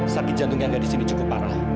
sakit jantung yang ada disini cukup parah